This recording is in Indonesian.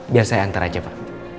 biar saya antar aja pak